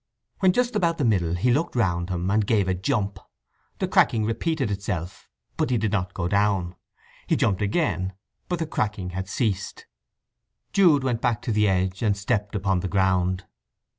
When just about the middle he looked around him and gave a jump. The cracking repeated itself; but he did not go down. He jumped again, but the cracking had ceased. Jude went back to the edge, and stepped upon the ground.